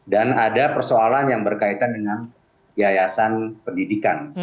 dan ada persoalan yang berkaitan dengan piayasan pendidikan